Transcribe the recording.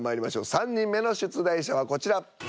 ３人目の出題者はこちら。